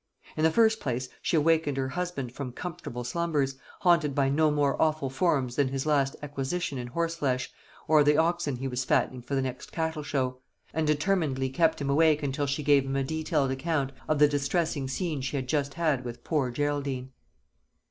In the first place she awakened her husband from comfortable slumbers, haunted by no more awful forms than his last acquisition in horseflesh, or the oxen he was fattening for the next cattle show; and determinedly kept him awake while she gave him a detailed account of the distressing scene she had just had with "poor Geraldine."